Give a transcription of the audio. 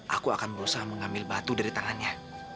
aku akan berusaha mengambil batu dari tangannya